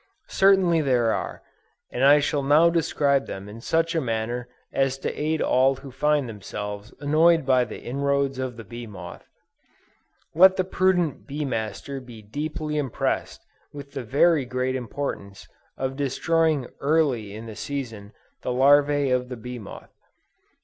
Certainly there are, and I shall now describe them in such a manner as to aid all who find themselves annoyed by the inroads of the bee moth. Let the prudent bee master be deeply impressed with the very great importance of destroying early in the season, the larvæ of the bee moth.